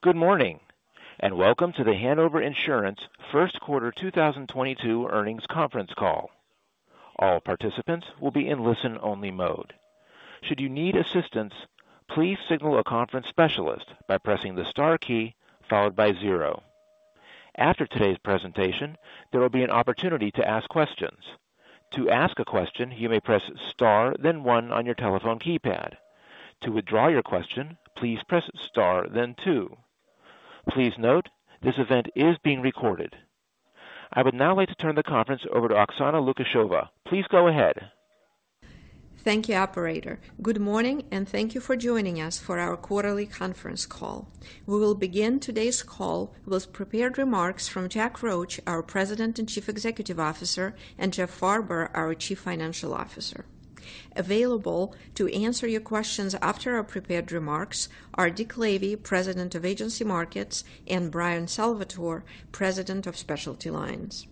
Good morning, and welcome to The Hanover Insurance First Quarter 2022 Earnings Conference Call. All participants will be in listen-only mode. Should you need assistance, please signal a conference specialist by pressing the star key followed by zero. After today's presentation, there will be an opportunity to ask questions. To ask a question, you may press star then one on your telephone keypad. To withdraw your question, please press star then two. Please note, this event is being recorded. I would now like to turn the conference over to Oksana Lukasheva. Please go ahead. Thank you, operator. Good morning, and thank you for joining us for our Quarterly Conference Call. We will begin today's call with prepared remarks from John C. Roche, our President and Chief Executive Officer, and Jeffrey Farber, our Chief Financial Officer. Available to answer your questions after our prepared remarks are Richard W. Lavey, President of Agency Markets, and Bryan J. Salvatore, President of Specialty Lines.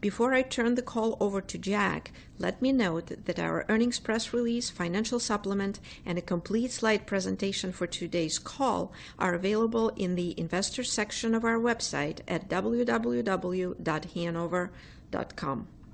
Before I turn the call over to John C. Roche, let me note that our earnings press release, financial supplement, and a complete slide presentation for today's call are available in the investor section of our website at www.hanover.com.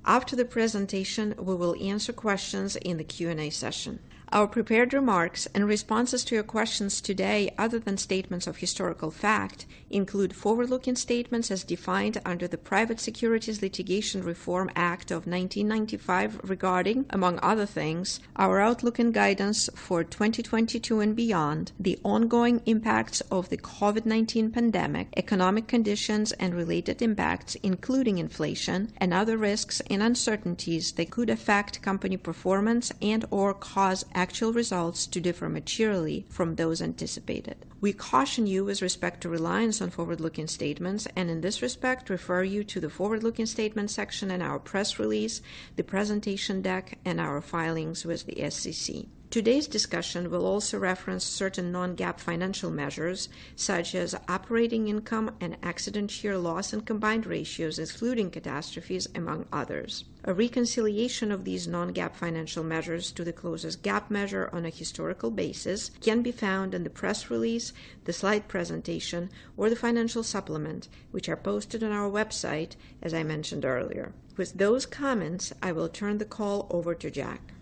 After the presentation, we will answer questions in the Q&A session. Our prepared remarks and responses to your questions today, other than statements of historical fact, include forward-looking statements as defined under the Private Securities Litigation Reform Act of 1995 regarding, among other things, our outlook and guidance for 2022 and beyond, the ongoing impacts of the COVID-19 pandemic, economic conditions and related impacts, including inflation and other risks and uncertainties that could affect company performance and/or cause actual results to differ materially from those anticipated. We caution you with respect to reliance on forward-looking statements and in this respect, refer you to the forward-looking statement section in our press release, the presentation deck, and our filings with the SEC. Today's discussion will also reference certain non-GAAP financial measures such as operating income and accident year loss and combined ratios excluding catastrophes, among others. A reconciliation of these non-GAAP financial measures to the closest GAAP measure on a historical basis can be found in the press release, the slide presentation, or the financial supplement, which are posted on our website as I mentioned earlier. With those comments, I will turn the call over to Jack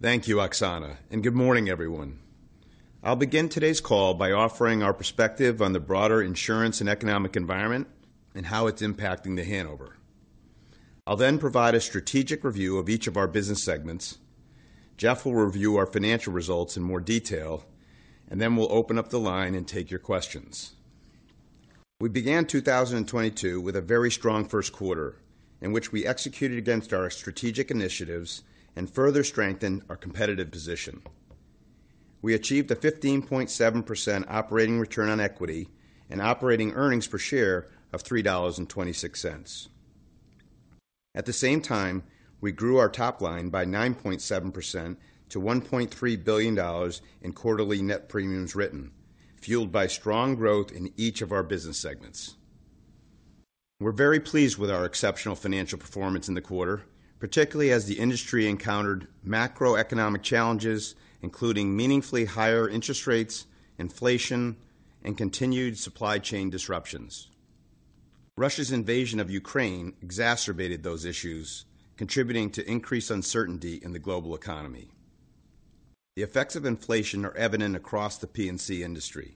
Roche. Thank you, Oksana, and good morning, everyone. I'll begin today's call by offering our perspective on the broader insurance and economic environment and how it's impacting The Hanover. I'll then provide a strategic review of each of our business segments. Jeff will review our financial results in more detail, and then we'll open up the line and take your questions. We began 2022 with a very strong first quarter in which we executed against our strategic initiatives and further strengthened our competitive position. We achieved a 15.7% operating return on equity and operating earnings per share of $3.26. At the same time, we grew our top line by 9.7% to $1.3 billion in quarterly net premiums written, fueled by strong growth in each of our business segments. We're very pleased with our exceptional financial performance in the quarter, particularly as the industry encountered macroeconomic challenges, including meaningfully higher interest rates, inflation, and continued supply chain disruptions. Russia's invasion of Ukraine exacerbated those issues, contributing to increased uncertainty in the global economy. The effects of inflation are evident across the P&C industry.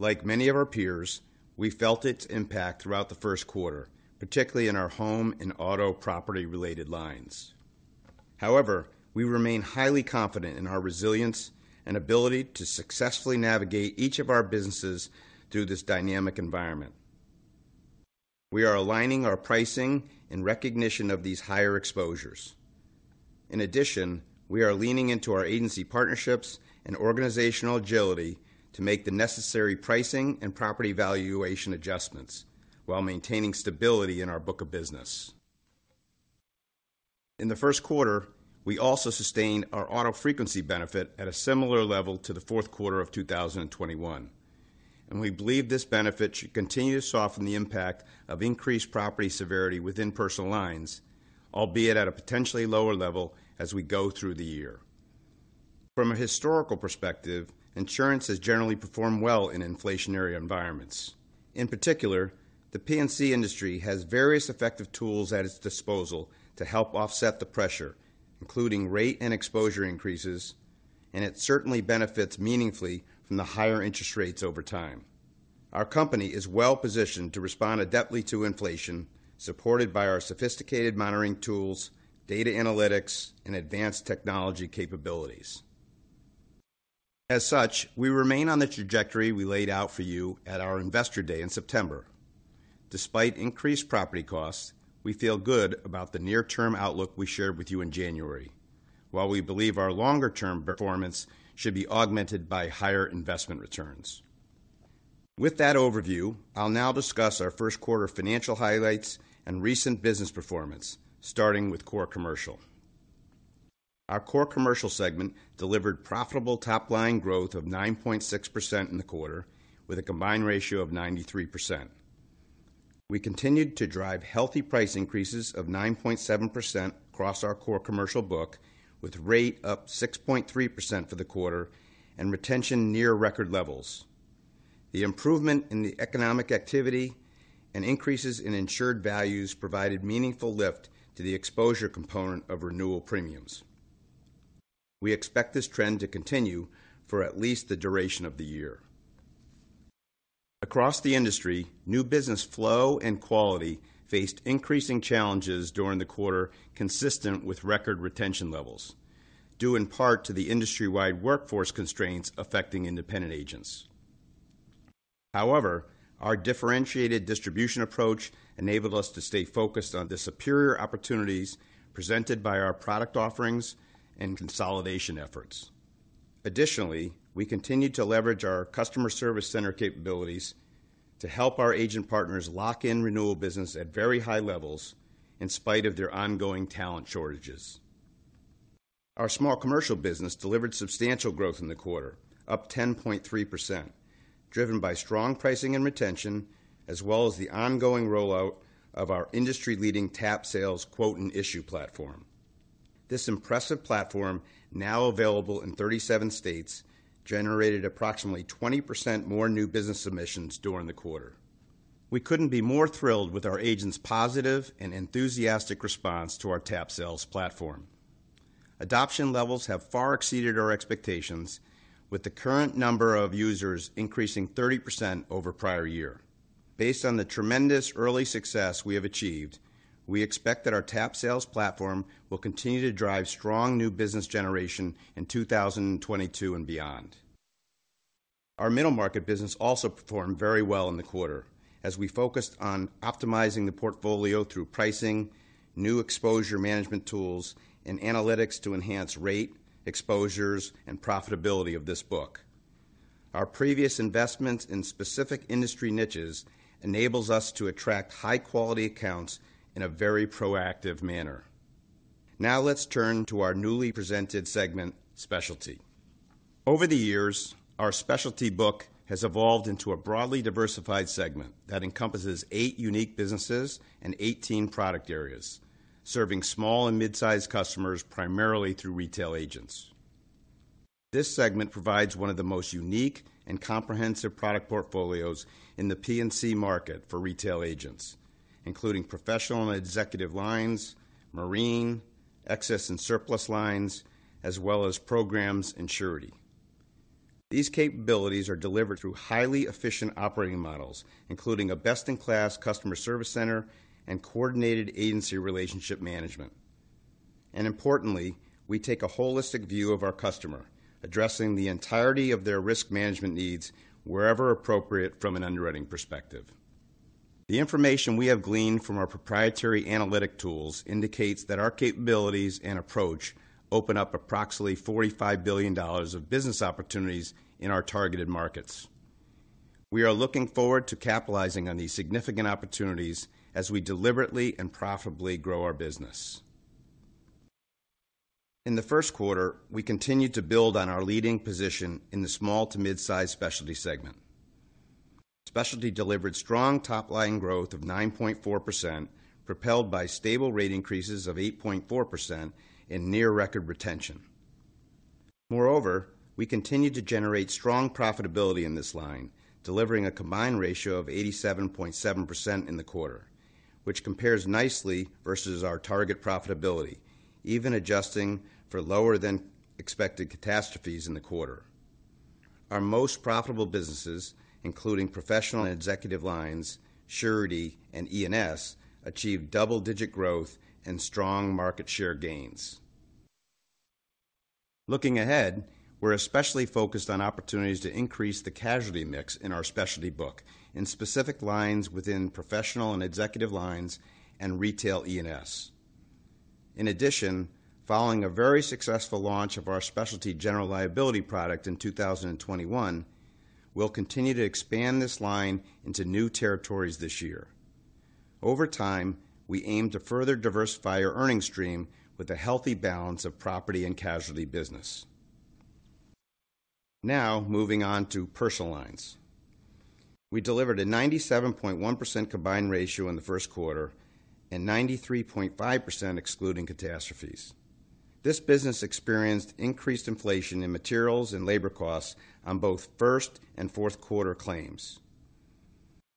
Like many of our peers, we felt its impact throughout the first quarter, particularly in our home and auto property-related lines. However, we remain highly confident in our resilience and ability to successfully navigate each of our businesses through this dynamic environment. We are aligning our pricing in recognition of these higher exposures. In addition, we are leaning into our agency partnerships and organizational agility to make the necessary pricing and property valuation adjustments while maintaining stability in our book of business. In the first quarter, we also sustained our auto frequency benefit at a similar level to the fourth quarter of 2021, and we believe this benefit should continue to soften the impact of increased property severity within Personal Lines, albeit at a potentially lower level as we go through the year. From a historical perspective, insurance has generally performed well in inflationary environments. In particular, the P&C industry has various effective tools at its disposal to help offset the pressure, including rate and exposure increases, and it certainly benefits meaningfully from the higher interest rates over time. Our company is well-positioned to respond adeptly to inflation, supported by our sophisticated monitoring tools, data analytics, and advanced technology capabilities. As such, we remain on the trajectory we laid out for you at our Investor Day in September. Despite increased property costs, we feel good about the near-term outlook we shared with you in January. While we believe our longer-term performance should be augmented by higher investment returns. With that overview, I'll now discuss our first quarter financial highlights and recent business performance, starting with Core Commercial. Our Core Commercial segment delivered profitable top-line growth of 9.6% in the quarter with a combined ratio of 93%. We continued to drive healthy price increases of 9.7% across our Core Commercial book, with rate up 6.3% for the quarter and retention near record levels. The improvement in the economic activity and increases in insured values provided meaningful lift to the exposure component of renewal premiums. We expect this trend to continue for at least the duration of the year. Across the industry, new business flow and quality faced increasing challenges during the quarter, consistent with record retention levels, due in part to the industry-wide workforce constraints affecting independent agents. However, our differentiated distribution approach enabled us to stay focused on the superior opportunities presented by our product offerings and consolidation efforts. Additionally, we continued to leverage our customer service center capabilities to help our agent partners lock in renewal business at very high levels in spite of their ongoing talent shortages. Our small commercial business delivered substantial growth in the quarter, up 10.3%, driven by strong pricing and retention as well as the ongoing rollout of our industry-leading TAP Sales quote and issue platform. This impressive platform, now available in 37 states, generated approximately 20% more new business submissions during the quarter. We couldn't be more thrilled with our agents' positive and enthusiastic response to our TAP Sales platform. Adoption levels have far exceeded our expectations, with the current number of users increasing 30% over prior year. Based on the tremendous early success we have achieved, we expect that our TAP Sales platform will continue to drive strong new business generation in 2022 and beyond. Our middle market business also performed very well in the quarter as we focused on optimizing the portfolio through pricing, new exposure management tools, and analytics to enhance rate, exposures, and profitability of this book. Our previous investments in specific industry niches enables us to attract high-quality accounts in a very proactive manner. Now let's turn to our newly presented segment, Specialty. Over the years, our specialty book has evolved into a broadly diversified segment that encompasses eight unique businesses and 18 product areas, serving small and mid-sized customers primarily through retail agents. This segment provides one of the most unique and comprehensive product portfolios in the P&C market for retail agents, including professional and executive lines, marine, excess and surplus lines, as well as programs and surety. These capabilities are delivered through highly efficient operating models, including a best-in-class customer service center and coordinated agency relationship management. Importantly, we take a holistic view of our customer, addressing the entirety of their risk management needs wherever appropriate from an underwriting perspective. The information we have gleaned from our proprietary analytic tools indicates that our capabilities and approach open up approximately $45 billion of business opportunities in our targeted markets. We are looking forward to capitalizing on these significant opportunities as we deliberately and profitably grow our business. In the first quarter, we continued to build on our leading position in the small-to-mid-size Specialty segment. Specialty delivered strong top-line growth of 9.4%, propelled by stable rate increases of 8.4% and near record retention. Moreover, we continued to generate strong profitability in this line, delivering a combined ratio of 87.7% in the quarter, which compares nicely versus our target profitability, even adjusting for lower than expected catastrophes in the quarter. Our most profitable businesses, including professional and executive lines, Surety, and E&S, achieved double-digit growth and strong market share gains. Looking ahead, we're especially focused on opportunities to increase the casualty mix in our Specialty book in specific lines within professional and executive lines and retail E&S. In addition, following a very successful launch of our specialty general liability product in 2021, we'll continue to expand this line into new territories this year. Over time, we aim to further diversify our earnings stream with a healthy balance of property and casualty business. Now moving on to personal lines. We delivered a 97.1% combined ratio in the first quarter and 93.5% excluding catastrophes. This business experienced increased inflation in materials and labor costs on both first and fourth quarter claims.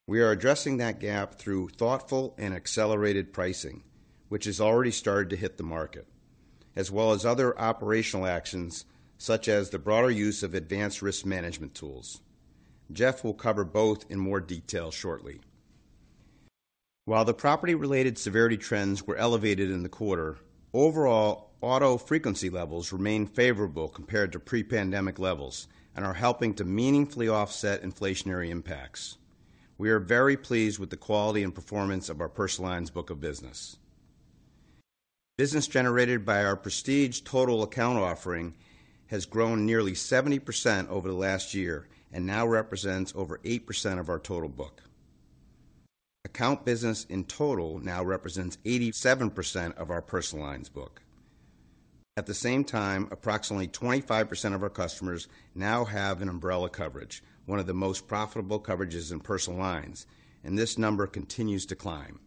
We are addressing that gap through thoughtful and accelerated pricing, which has already started to hit the market, as well as other operational actions such as the broader use of advanced risk management tools. Jeff will cover both in more detail shortly. While the property-related severity trends were elevated in the quarter, overall auto frequency levels remain favorable compared to pre-pandemic levels and are helping to meaningfully offset inflationary impacts. We are very pleased with the quality and performance of our Personal Lines book of business. Business generated by our prestige total account offering has grown nearly 70% over the last year and now represents over 8% of our total book. Account business in total now represents 87% of our Personal Lines book. At the same time, approximately 25% of our customers now have an umbrella coverage, one of the most profitable coverages in Personal Lines, and this number continues to climb.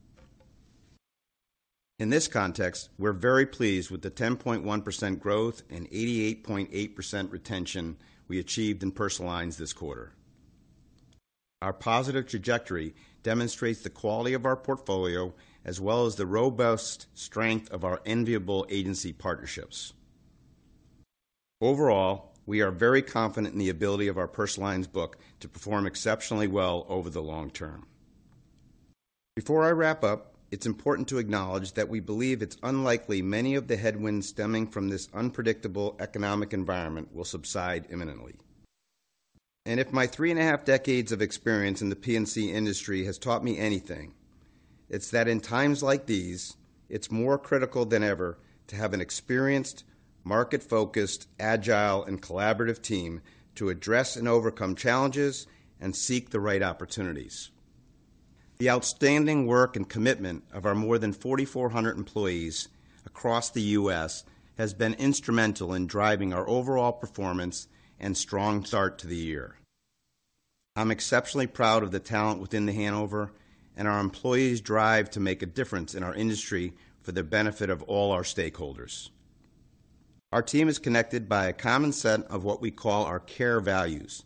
In this context, we're very pleased with the 10.1% growth and 88.8% retention we achieved in Personal Lines this quarter. Our positive trajectory demonstrates the quality of our portfolio as well as the robust strength of our enviable agency partnerships. Overall, we are very confident in the ability of our Personal Lines book to perform exceptionally well over the long term. Before I wrap up, it's important to acknowledge that we believe it's unlikely many of the headwinds stemming from this unpredictable economic environment will subside imminently. If my three and a half decades of experience in the P&C industry has taught me anything, it's that in times like these, it's more critical than ever to have an experienced, market-focused, agile, and collaborative team to address and overcome challenges and seek the right opportunities. The outstanding work and commitment of our more than 4,400 employees across the U.S. has been instrumental in driving our overall performance and strong start to the year. I'm exceptionally proud of the talent within The Hanover and our employees' drive to make a difference in our industry for the benefit of all our stakeholders. Our team is connected by a common set of what we call our CARE values,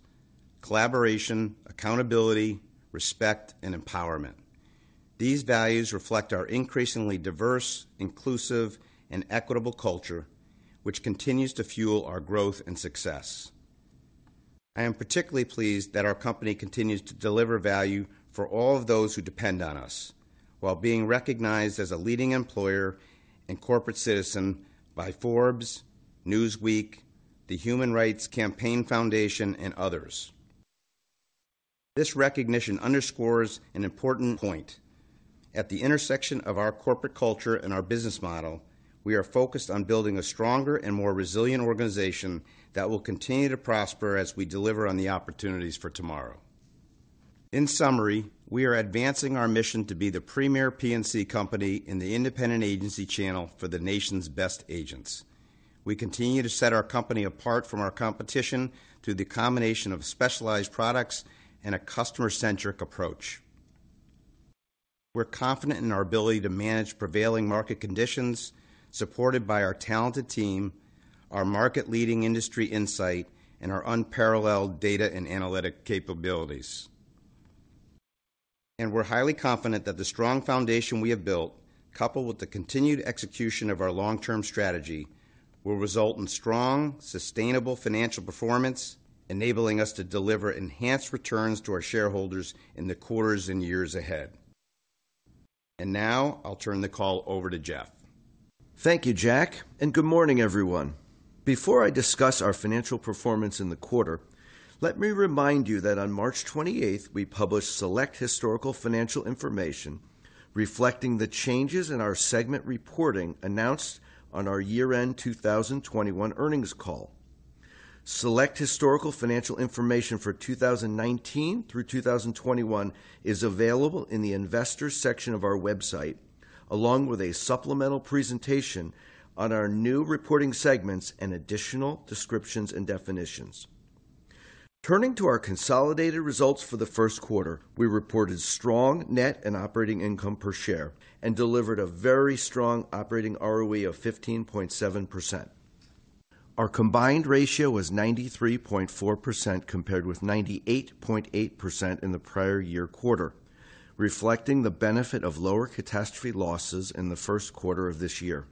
collaboration, accountability, respect, and empowerment. These values reflect our increasingly diverse, inclusive, and equitable culture, which continues to fuel our growth and success. I am particularly pleased that our company continues to deliver value for all of those who depend on us, while being recognized as a leading employer and corporate citizen by Forbes, Newsweek, the Human Rights Campaign Foundation, and others. This recognition underscores an important point. At the intersection of our corporate culture and our business model, we are focused on building a stronger and more resilient organization that will continue to prosper as we deliver on the opportunities for tomorrow. In summary, we are advancing our mission to be the premier P&C company in the independent agency channel for the nation's best agents. We continue to set our company apart from our competition through the combination of specialized products and a customer-centric approach. We're confident in our ability to manage prevailing market conditions, supported by our talented team, our market-leading industry insight, and our unparalleled data and analytic capabilities. We're highly confident that the strong foundation we have built, coupled with the continued execution of our long-term strategy, will result in strong, sustainable financial performance, enabling us to deliver enhanced returns to our shareholders in the quarters and years ahead. Now I'll turn the call over to Jeff Farber. Thank you, Jack, and good morning, everyone. Before I discuss our financial performance in the quarter, let me remind you that on March 28th, we published select historical financial information reflecting the changes in our segment reporting announced on our year-end 2021 earnings call. Select historical financial information for 2019 through 2021 is available in the Investors section of our website, along with a supplemental presentation on our new reporting segments and additional descriptions and definitions. Turning to our consolidated results for the first quarter, we reported strong net and operating income per share and delivered a very strong operating ROE of 15.7%. Our combined ratio was 93.4% compared with 98.8% in the prior year quarter, reflecting the benefit of lower catastrophe losses in the first quarter of this year.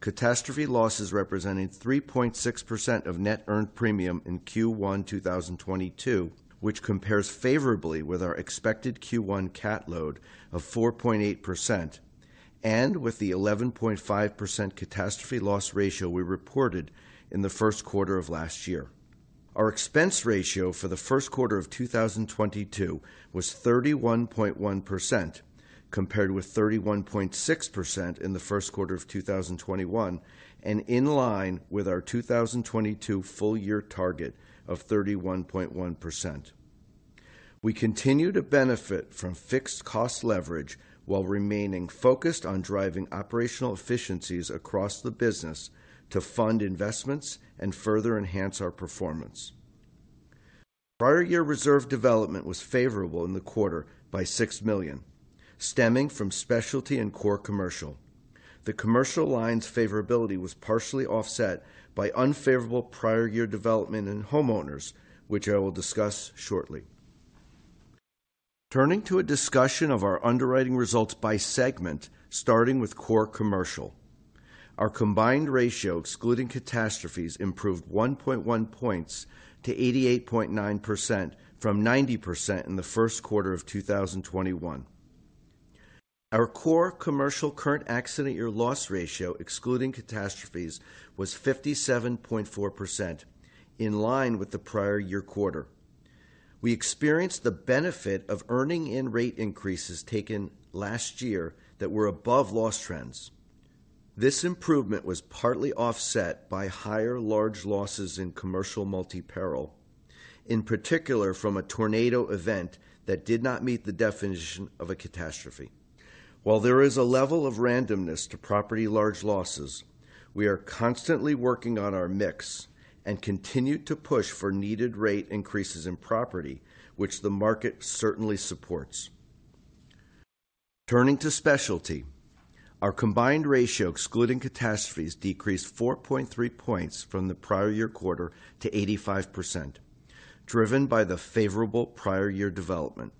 Catastrophe losses represented 3.6% of net earned premium in Q1 2022, which compares favorably with our expected Q1 cat load of 4.8% and with the 11.5% catastrophe loss ratio we reported in the first quarter of last year. Our expense ratio for the first quarter of 2022 was 31.1% compared with 31.6% in the first quarter of 2021 and in line with our 2022 full year target of 31.1%. We continue to benefit from fixed cost leverage while remaining focused on driving operational efficiencies across the business to fund investments and further enhance our performance. Prior year reserve development was favorable in the quarter by $6 million, stemming from Specialty and Core Commercial. The Commercial lines favorability was partially offset by unfavorable prior year development in Homeowners, which I will discuss shortly. Turning to a discussion of our underwriting results by segment, starting with Core Commercial. Our combined ratio, excluding catastrophes, improved 1 point to 88.9% from 90% in the first quarter of 2021. Our Core Commercial current accident year loss ratio, excluding catastrophes, was 57.4%, in line with the prior year quarter. We experienced the benefit of earning in rate increases taken last year that were above loss trends. This improvement was partly offset by higher large losses in Commercial multi-peril, in particular from a tornado event that did not meet the definition of a catastrophe. While there is a level of randomness to property large losses, we are constantly working on our mix and continue to push for needed rate increases in property, which the market certainly supports. Turning to Specialty, our combined ratio excluding catastrophes decreased 4.3 points from the prior year quarter to 85%, driven by the favorable prior year development.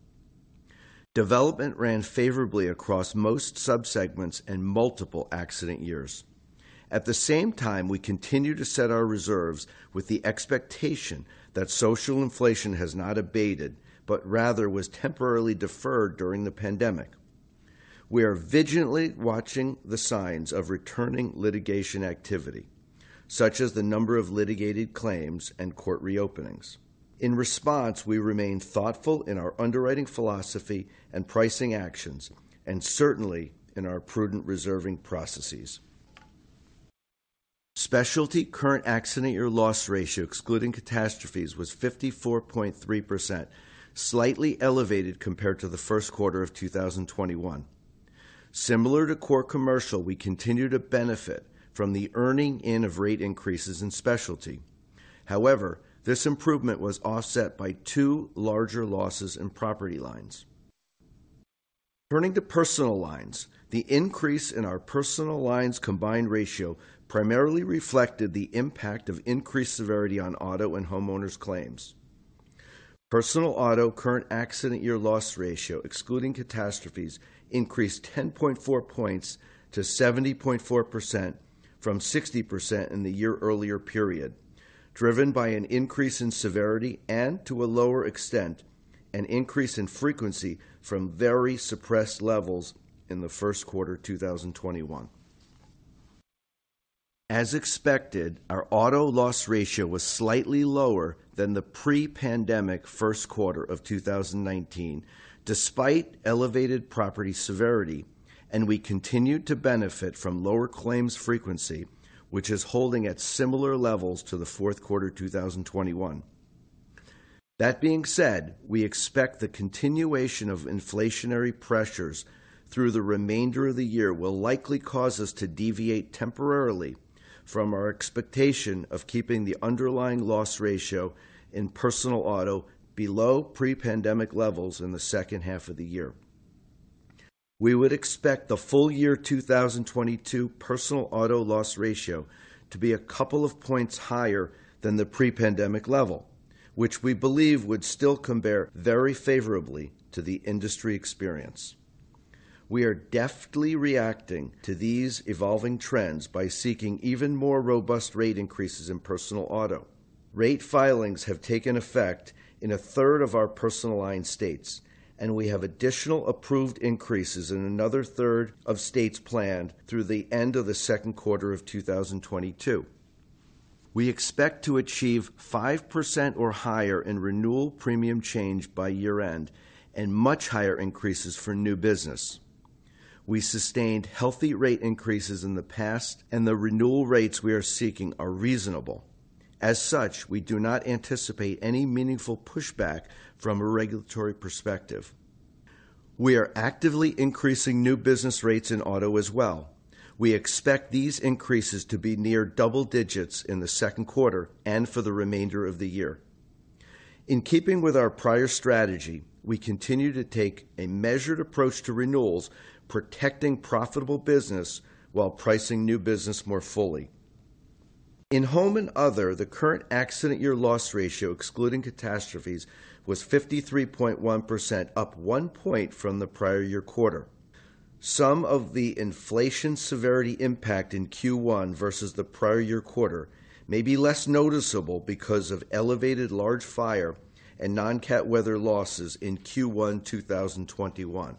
Development ran favorably across most subsegments and multiple accident years. At the same time, we continue to set our reserves with the expectation that social inflation has not abated, but rather was temporarily deferred during the pandemic. We are vigilantly watching the signs of returning litigation activity, such as the number of litigated claims and court reopenings. In response, we remain thoughtful in our underwriting philosophy and pricing actions, and certainly in our prudent reserving processes. Specialty current accident year loss ratio excluding catastrophes was 54.3%, slightly elevated compared to the first quarter of 2021. Similar to Core Commercial, we continue to benefit from the earning in of rate increases in Specialty. However, this improvement was offset by two larger losses in Property lines. Turning to Personal Lines, the increase in our Personal Lines combined ratio primarily reflected the impact of increased severity on auto and Homeowners claims. Personal Auto current accident year loss ratio excluding catastrophes increased 10.4 points to 70.4% from 60% in the year earlier period, driven by an increase in severity and to a lower extent, an increase in frequency from very suppressed levels in the first quarter 2021. As expected, our auto loss ratio was slightly lower than the pre-pandemic first quarter of 2019, despite elevated property severity, and we continued to benefit from lower claims frequency, which is holding at similar levels to the fourth quarter 2021. That being said, we expect the continuation of inflationary pressures through the remainder of the year will likely cause us to deviate temporarily from our expectation of keeping the underlying loss ratio in Personal Auto below pre-pandemic levels in the second half of the year. We would expect the full year 2022 Personal Auto loss ratio to be a couple of points higher than the pre-pandemic level, which we believe would still compare very favorably to the industry experience. We are deftly reacting to these evolving trends by seeking even more robust rate increases in Personal Auto. Rate filings have taken effect in a third of our Personal Lines states, and we have additional approved increases in another third of states planned through the end of the second quarter of 2022. We expect to achieve 5% or higher in renewal premium change by year-end and much higher increases for new business. We sustained healthy rate increases in the past and the renewal rates we are seeking are reasonable. As such, we do not anticipate any meaningful pushback from a regulatory perspective. We are actively increasing new business rates in auto as well. We expect these increases to be near double digits in the second quarter and for the remainder of the year. In keeping with our prior strategy, we continue to take a measured approach to renewals, protecting profitable business while pricing new business more fully. In home and other, the current accident year loss ratio excluding catastrophes was 53.1%, up 1 point from the prior year quarter. Some of the inflation severity impact in Q1 versus the prior year quarter may be less noticeable because of elevated large fire and non-cat weather losses in Q1 2021.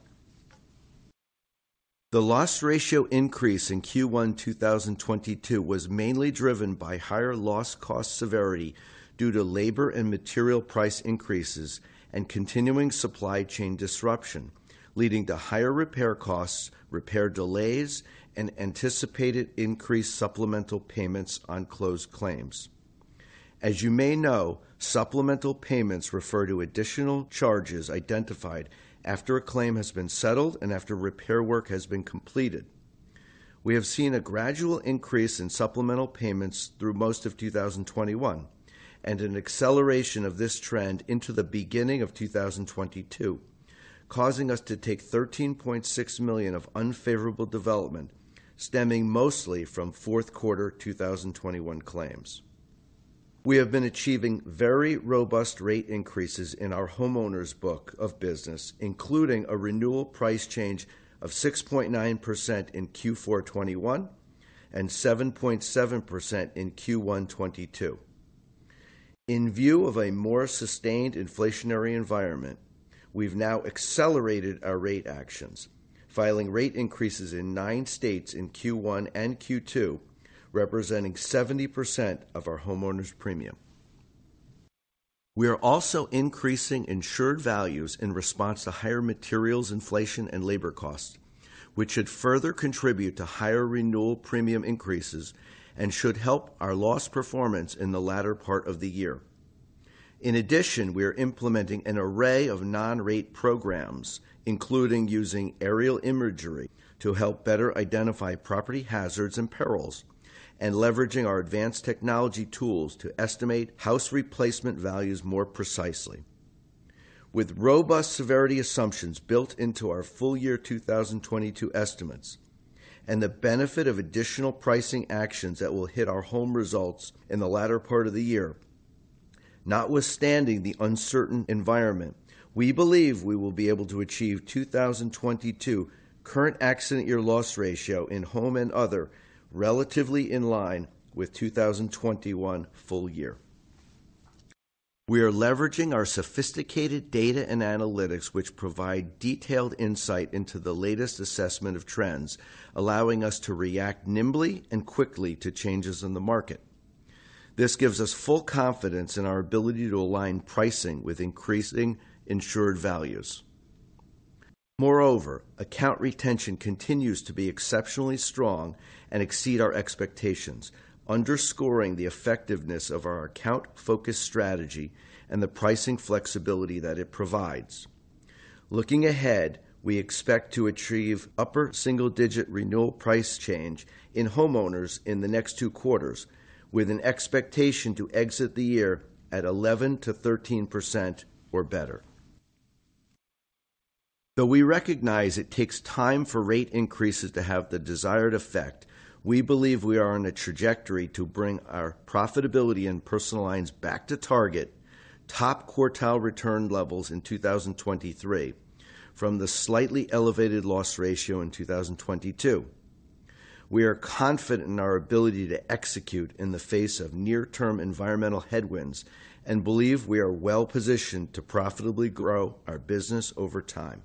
The loss ratio increase in Q1 2022 was mainly driven by higher loss cost severity due to labor and material price increases and continuing supply chain disruption, leading to higher repair costs, repair delays and anticipated increased supplemental payments on closed claims. As you may know, supplemental payments refer to additional charges identified after a claim has been settled and after repair work has been completed. We have seen a gradual increase in supplemental payments through most of 2021 and an acceleration of this trend into the beginning of 2022, causing us to take $13.6 million of unfavorable development stemming mostly from fourth quarter 2021 claims. We have been achieving very robust rate increases in our Homeowners book of business, including a renewal price change of 6.9% in Q4 2021 and 7.7% in Q1 2022. In view of a more sustained inflationary environment, we've now accelerated our rate actions, filing rate increases in nine states in Q1 and Q2, representing 70% of our Homeowners premium. We are also increasing insured values in response to higher materials inflation and labor costs, which should further contribute to higher renewal premium increases and should help our loss performance in the latter part of the year. In addition, we are implementing an array of non-rate programs, including using aerial imagery to help better identify property hazards and perils and leveraging our advanced technology tools to estimate house replacement values more precisely. With robust severity assumptions built into our full year 2022 estimates and the benefit of additional pricing actions that will hit our home results in the latter part of the year, notwithstanding the uncertain environment, we believe we will be able to achieve 2022 current accident year loss ratio in home and other relatively in line with 2021 full year. We are leveraging our sophisticated data and analytics, which provide detailed insight into the latest assessment of trends, allowing us to react nimbly and quickly to changes in the market. This gives us full confidence in our ability to align pricing with increasing insured values. Moreover, account retention continues to be exceptionally strong and exceed our expectations, underscoring the effectiveness of our account-focused strategy and the pricing flexibility that it provides. Looking ahead, we expect to achieve upper single-digit renewal price change in Homeowners in the next two quarters, with an expectation to exit the year at 11%-13% or better. Though we recognize it takes time for rate increases to have the desired effect, we believe we are on a trajectory to bring our profitability and Personal Lines back to target top quartile return levels in 2023 from the slightly elevated loss ratio in 2022. We are confident in our ability to execute in the face of near-term environmental headwinds and believe we are well-positioned to profitably grow our business over time.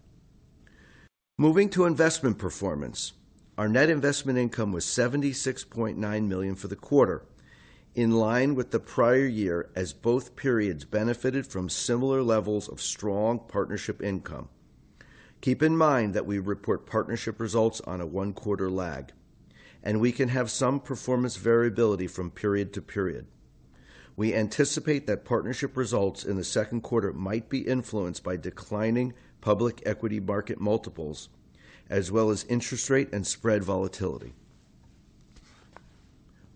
Moving to investment performance, our net investment income was $76.9 million for the quarter, in line with the prior year as both periods benefited from similar levels of strong partnership income. Keep in mind that we report partnership results on a one-quarter lag, and we can have some performance variability from period to period. We anticipate that partnership results in the second quarter might be influenced by declining public equity market multiples, as well as interest rate and spread volatility.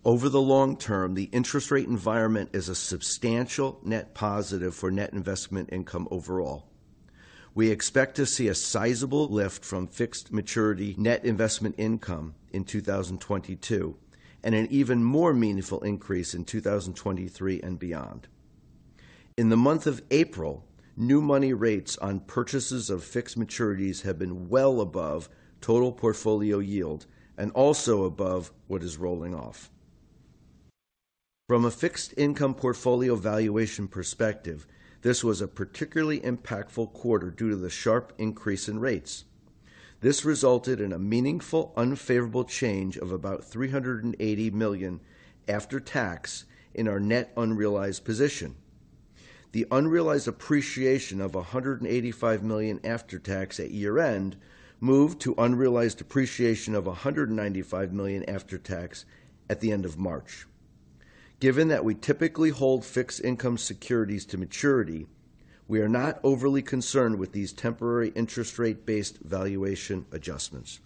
Over the long term, the interest rate environment is a substantial net positive for net investment income overall. We expect to see a sizable lift from fixed maturity net investment income in 2022 and an even more meaningful increase in 2023 and beyond. In the month of April, new money rates on purchases of fixed maturities have been well above total portfolio yield and also above what is rolling off. From a fixed income portfolio valuation perspective, this was a particularly impactful quarter due to the sharp increase in rates. This resulted in a meaningful unfavorable change of about $380 million after tax in our net unrealized position. The unrealized appreciation of $185 million after tax at year-end moved to unrealized appreciation of $195 million after tax at the end of March. Given that we typically hold fixed income securities to maturity, we are not overly concerned with these temporary interest rate-based valuation adjustments.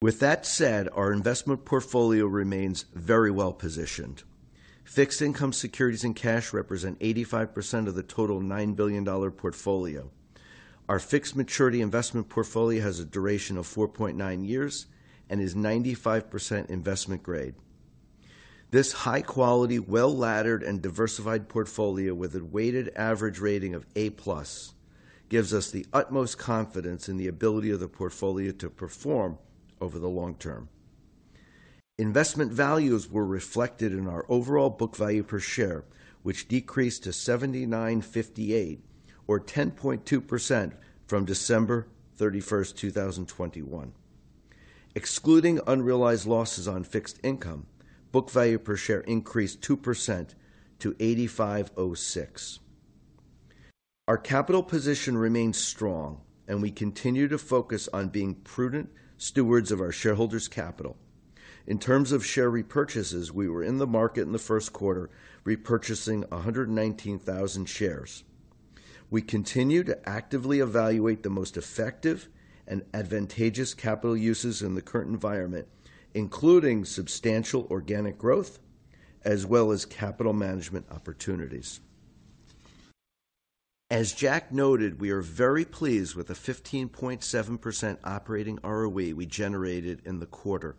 With that said, our investment portfolio remains very well-positioned. Fixed income securities and cash represent 85% of the total $9 billion portfolio. Our fixed maturity investment portfolio has a duration of 4.9 years and is 95% investment grade. This high quality, well-laddered, and diversified portfolio with a weighted average rating of A-plus gives us the utmost confidence in the ability of the portfolio to perform over the long term. Investment values were reflected in our overall book value per share, which decreased to $79.58 or 10.2% from December 31st, 2021. Excluding unrealized losses on fixed income, book value per share increased 2% to $85.06. Our capital position remains strong, and we continue to focus on being prudent stewards of our shareholders' capital. In terms of share repurchases, we were in the market in the first quarter repurchasing 119,000 shares. We continue to actively evaluate the most effective and advantageous capital uses in the current environment, including substantial organic growth as well as capital management opportunities. As Jack noted, we are very pleased with the 15.7% operating ROE we generated in the quarter.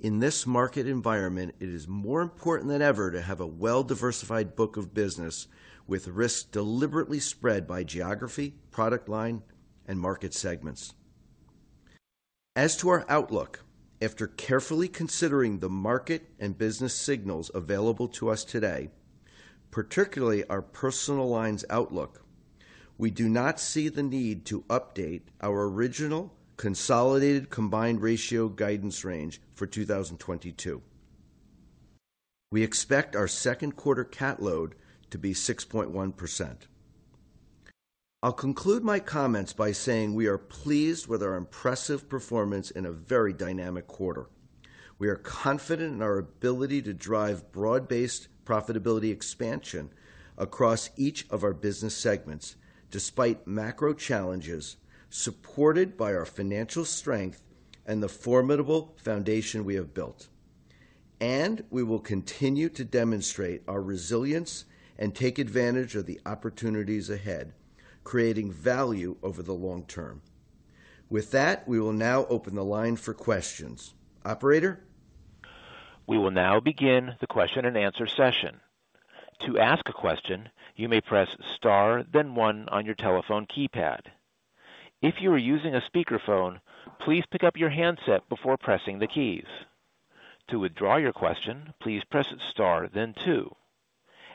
In this market environment, it is more important than ever to have a well-diversified book of business with risk deliberately spread by geography, product line, and market segments. As to our outlook, after carefully considering the market and business signals available to us today, particularly our Personal Lines outlook. We do not see the need to update our original consolidated combined ratio guidance range for 2022. We expect our second quarter CAT load to be 6.1%. I'll conclude my comments by saying we are pleased with our impressive performance in a very dynamic quarter. We are confident in our ability to drive broad-based profitability expansion across each of our business segments despite macro challenges, supported by our financial strength and the formidable foundation we have built. We will continue to demonstrate our resilience and take advantage of the opportunities ahead, creating value over the long term. With that, we will now open the line for questions. Operator? We will now begin the question and answer session. To ask a question, you may press Star, then one on your telephone keypad. If you are using a speakerphone, please pick up your handset before pressing the keys. To withdraw your question, please press Star then two.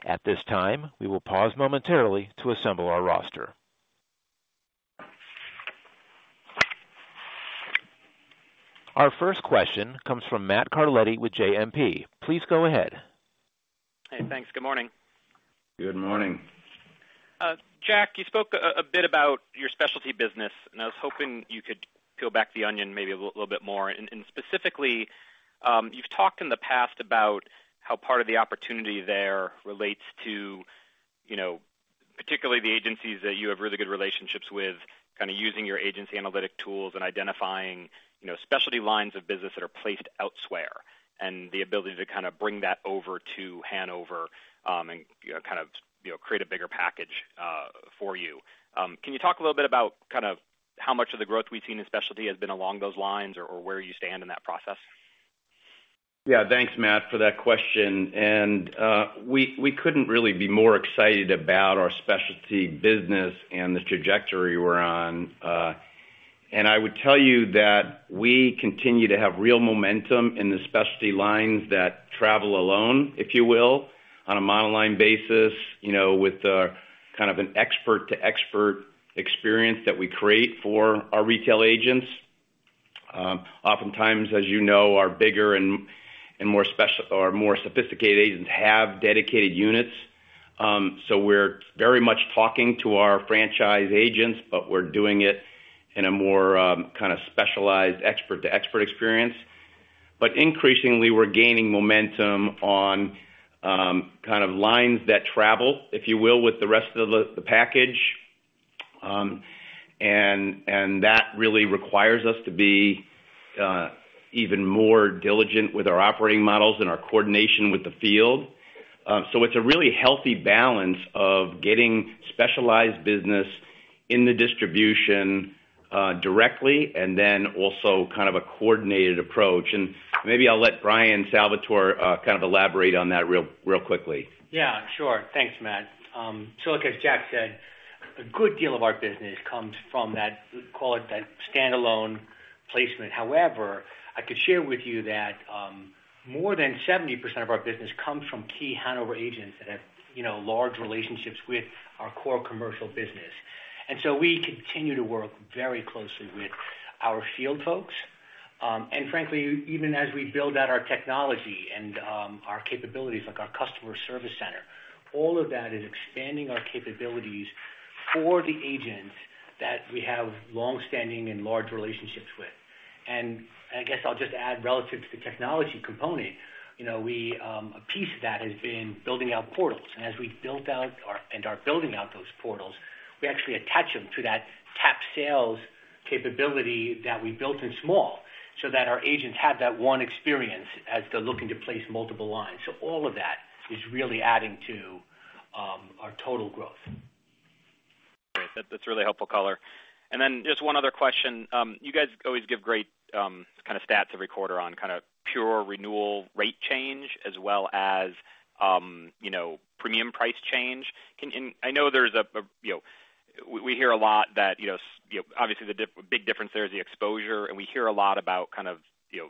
At this time, we will pause momentarily to assemble our roster. Our first question comes from Matt Carletti with JMP. Please go ahead. Hey, thanks. Good morning. Good morning. Jack, you spoke a bit about your specialty business, and I was hoping you could peel back the onion maybe a little bit more. Specifically, you've talked in the past about how part of the opportunity there relates to, you know, particularly the agencies that you have really good relationships with, kind of using your agency analytic tools and identifying, you know, specialty lines of business that are placed elsewhere, and the ability to kind of bring that over to Hanover, and, you know, kind of create a bigger package for you. Can you talk a little bit about kind of how much of the growth we've seen in specialty has been along those lines or where you stand in that process? Yeah. Thanks, Matt, for that question. We couldn't really be more excited about our specialty business and the trajectory we're on. I would tell you that we continue to have real momentum in the specialty lines that travel alone, if you will, on a monoline basis, you know, with kind of an expert to expert experience that we create for our retail agents. Oftentimes, as you know, our bigger and more sophisticated agents have dedicated units. We're very much talking to our franchise agents, but we're doing it in a more kind of specialized expert to expert experience. Increasingly, we're gaining momentum on kind of lines that travel, if you will, with the rest of the package. That really requires us to be even more diligent with our operating models and our coordination with the field. It's a really healthy balance of getting specialized business in the distribution directly and then also kind of a coordinated approach. Maybe I'll let Bryan J. Salvatore kind of elaborate on that real quickly. Yeah. Sure. Thanks, Matt. Look, as Jack said, a good deal of our business comes from that, we call it that standalone placement. However, I could share with you that more than 70% of our business comes from key Hanover agents that have, you know, large relationships with our core commercial business. We continue to work very closely with our field folks. Frankly, even as we build out our technology and our capabilities, like our customer service center, all of that is expanding our capabilities for the agents that we have longstanding and large relationships with. I guess I'll just add relative to the technology component, you know, we a piece of that has been building out portals. We are building out those portals, we actually attach them to that TAP Sales capability that we built in small, so that our agents have that one experience as they're looking to place multiple lines. All of that is really adding to our total growth. Great. That's really helpful color. Just one other question. You guys always give great kind of stats every quarter on kind of pure renewal rate change as well as you know premium price change. I know there's a you know we hear a lot that you know obviously the big difference there is the exposure, and we hear a lot about kind of you know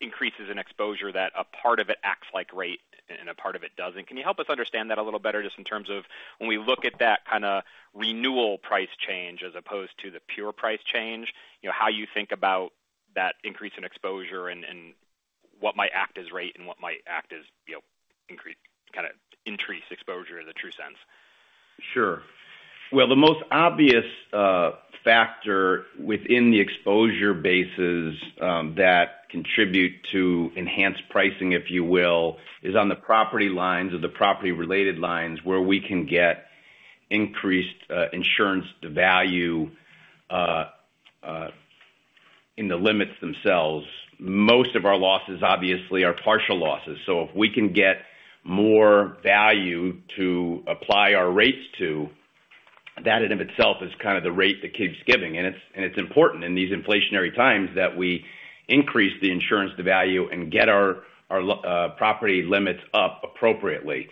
increases in exposure that a part of it acts like rate and a part of it doesn't. Can you help us understand that a little better just in terms of when we look at that kind of renewal price change as opposed to the pure price change, you know, how you think about that increase in exposure and what might act as rate and what might act as, you know, kind of increase exposure in the true sense? Sure. Well, the most obvious factor within the exposure bases that contribute to enhanced pricing, if you will, is on the property lines or the property-related lines where we can get increased insurance to value in the limits themselves. Most of our losses, obviously, are partial losses. If we can get more value to apply our rates to, that in of itself is kind of the rate that keeps giving. It's important in these inflationary times that we increase the insurance to value and get our property limits up appropriately.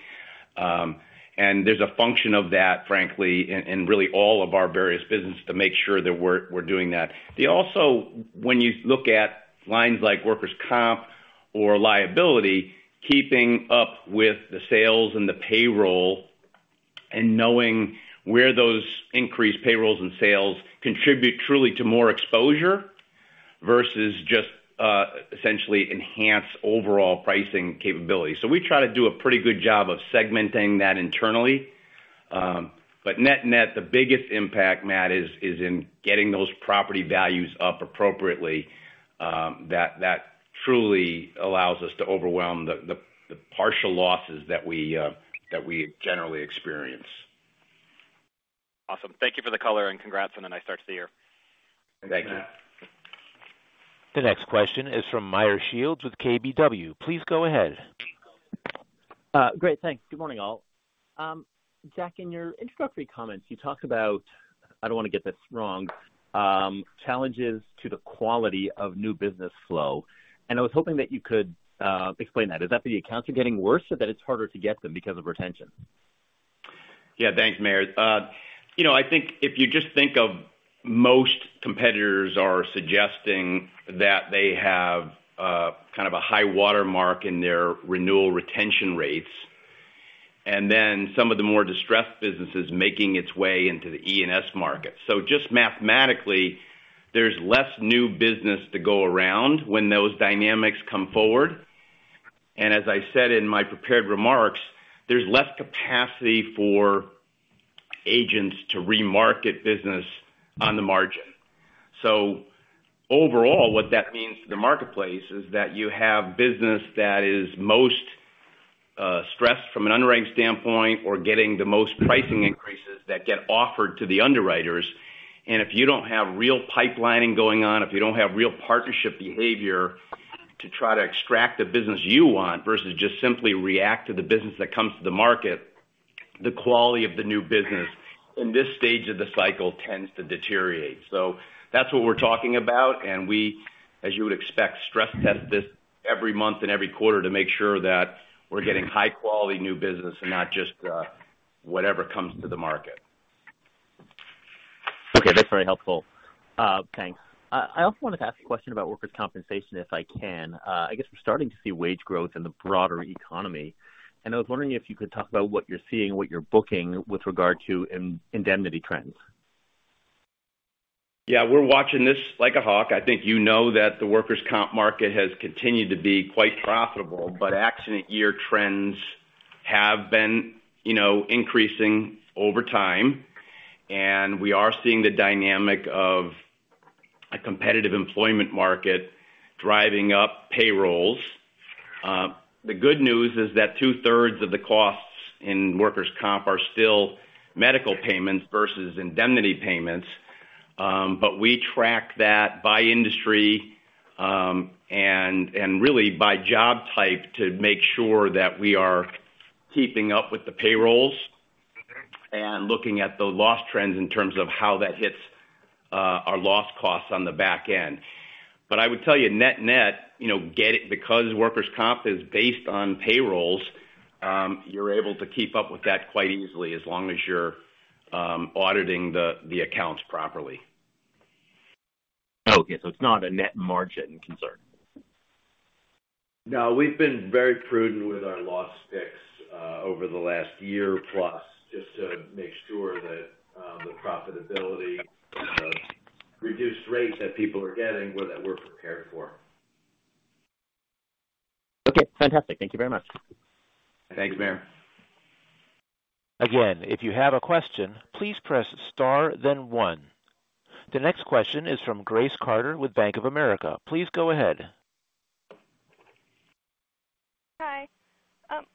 There's a function of that, frankly, in really all of our various business to make sure that we're doing that. Also, when you look at lines like workers' comp or liability, keeping up with the sales and the payroll and knowing where those increased payrolls and sales contribute truly to more exposure versus just essentially enhanced overall pricing capability. We try to do a pretty good job of segmenting that internally. Net-net, the biggest impact, Matt, is in getting those property values up appropriately that truly allows us to overwhelm the partial losses that we generally experience. Awesome. Thank you for the color, and congrats on a nice start to the year. Thank you. The next question is from Meyer Shields with KBW. Please go ahead. Great. Thanks. Good morning, all. Jack, in your introductory comments, you talked about, I don't want to get this wrong, challenges to the quality of new business flow, and I was hoping that you could explain that. Is that the accounts are getting worse or that it's harder to get them because of retention? Yeah. Thanks, Meyer. You know, I think if you just think of most competitors are suggesting that they have kind of a high watermark in their renewal retention rates, and then some of the more distressed businesses making its way into the E&S market. Just mathematically, there's less new business to go around when those dynamics come forward. As I said in my prepared remarks, there's less capacity for agents to remarket business on the margin. Overall, what that means to the marketplace is that you have business that is most stressed from an underwriting standpoint or getting the most pricing increases that get offered to the underwriters. If you don't have real pipelining going on, if you don't have real partnership behavior to try to extract the business you want versus just simply react to the business that comes to the market, the quality of the new business in this stage of the cycle tends to deteriorate. That's what we're talking about. We, as you would expect, stress test this every month and every quarter to make sure that we're getting high quality new business and not just whatever comes to the market. Okay, that's very helpful. Thanks. I also wanted to ask a question about workers' compensation, if I can. I guess we're starting to see wage growth in the broader economy, and I was wondering if you could talk about what you're seeing, what you're booking with regard to in-indemnity trends? Yeah. We're watching this like a hawk. I think you know that the workers' comp market has continued to be quite profitable, but accident year trends have been, you know, increasing over time, and we are seeing the dynamic of a competitive employment market driving up payrolls. The good news is that two-thirds of the costs in workers' comp are still medical payments versus indemnity payments. We track that by industry, and really by job type to make sure that we are keeping up with the payrolls and looking at the loss trends in terms of how that hits our loss costs on the back end. I would tell you net-net, you know, get it because workers' comp is based on payrolls, you're able to keep up with that quite easily as long as you're auditing the accounts properly. Okay. It's not a net margin concern. No, we've been very prudent with our loss picks over the last year, plus just to make sure that the profitability of reduced rates that people are getting, well, that we're prepared for. Okay, fantastic. Thank you very much. Thanks, Meyer. Again, if you have a question, please press star then one. The next question is from Grace Carter with Bank of America. Please go ahead. Hi.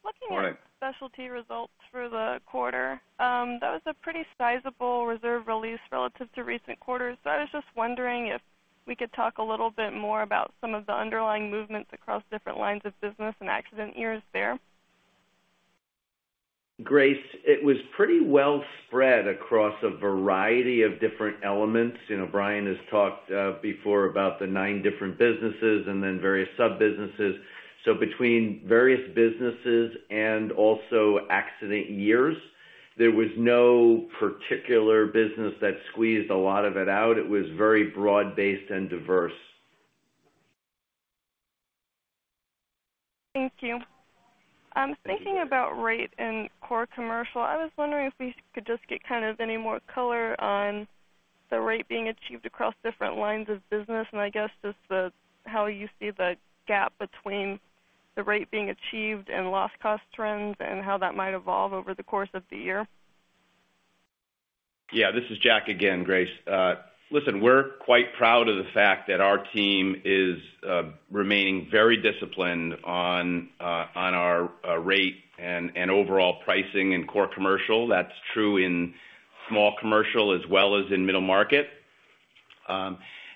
Looking at Good morning. Specialty results for the quarter, that was a pretty sizable reserve release relative to recent quarters. I was just wondering if we could talk a little bit more about some of the underlying movements across different lines of business and accident years there. Grace, it was pretty well spread across a variety of different elements. You know, Bryan has talked before about the nine different businesses and then various sub-businesses. Between various businesses and also accident years, there was no particular business that squeezed a lot of it out. It was very broad-based and diverse. Thank you. Thinking about rate and Core Commercial, I was wondering if we could just get kind of any more color on the rate being achieved across different lines of business and I guess just how you see the gap between the rate being achieved and loss cost trends and how that might evolve over the course of the year. Yeah, this is Jack again, Grace. Listen, we're quite proud of the fact that our team is remaining very disciplined on our rate and overall pricing in Core Commercial. That's true in small commercial as well as in middle market.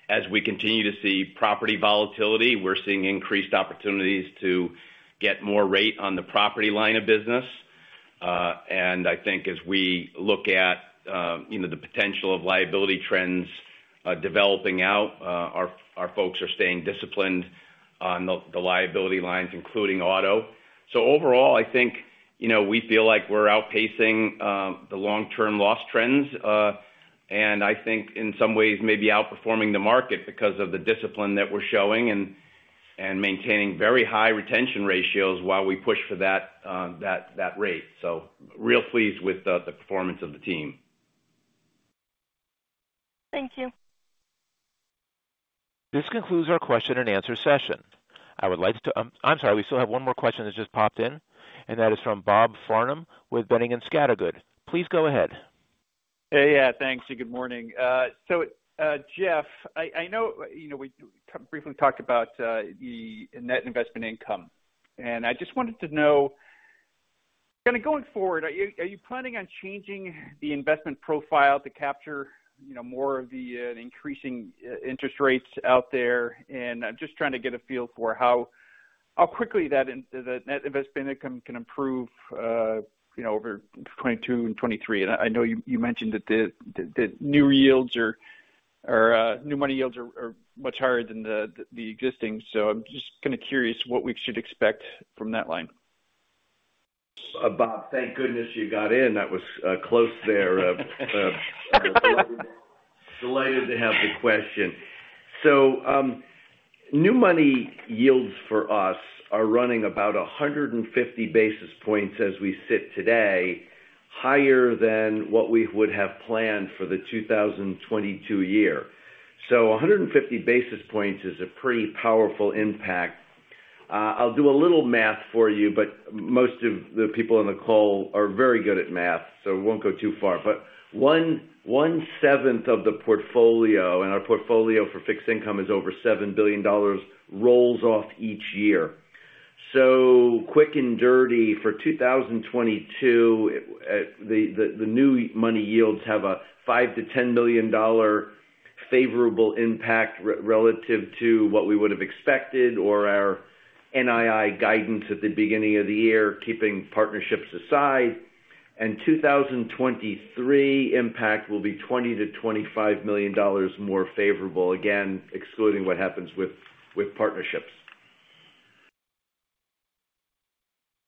As we continue to see property volatility, we're seeing increased opportunities to get more rate on the Property line of business. I think as we look at, you know, the potential of liability trends developing out, our folks are staying disciplined on the liability lines, including auto. Overall, I think, you know, we feel like we're outpacing the long-term loss trends. I think in some ways maybe outperforming the market because of the discipline that we're showing and maintaining very high retention ratios while we push for that rate. Real pleased with the performance of the team. Thank you. This concludes our question and answer session. I'm sorry, we still have one more question that just popped in, and that is from Bob Farnam with Boenning & Scattergood. Please go ahead. Hey. Yeah, thanks. Good morning. Jeff, I know, you know, we kind of briefly talked about the net investment income. I just wanted to know, kind of going forward, are you planning on changing the investment profile to capture, you know, more of the increasing interest rates out there? I'm just trying to get a feel for how quickly the net investment income can improve, you know, over 2022 and 2023. I know you mentioned that the new yields, or new money yields, are much higher than the existing. I'm just kind of curious what we should expect from that line. Bob Farnam, thank goodness you got in. That was close there. Delighted to have the question. New money yields for us are running about 150 basis points as we sit today, higher than what we would have planned for the 2022 year. 150 basis points is a pretty powerful impact. I'll do a little math for you, but most of the people on the call are very good at math, so I won't go too far. 1/7th of the portfolio, and our portfolio for fixed income is over $7 billion, rolls off each year. Quick and dirty, for 2022, the new money yields have a $5 billion-$10 billion favorable impact relative to what we would have expected or our NII guidance at the beginning of the year, keeping partnerships aside. 2023 impact will be $20 million-$25 million more favorable, again, excluding what happens with partnerships.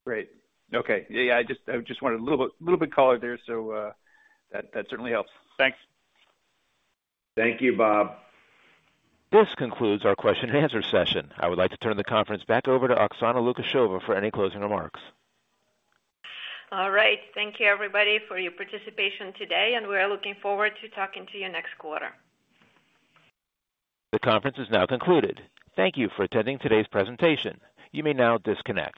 Great. Okay. Yeah, I just wanted a little bit color there, so that certainly helps. Thanks. Thank you, Bob. This concludes our question and answer session. I would like to turn the conference back over to Oksana Lukasheva for any closing remarks. All right. Thank you everybody for your participation today, and we are looking forward to talking to you next quarter. The conference is now concluded. Thank you for attending today's presentation. You may now disconnect.